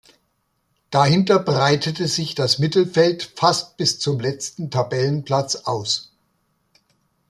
Dahinter breitete sich das Mittelfeld fast bis zum letzten Tabellenplatz aus.